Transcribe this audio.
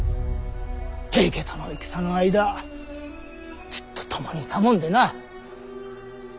平家との戦の間ずっと共にいたもんでな。